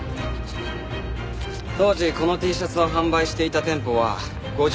当時このＴシャツを販売していた店舗は５３軒。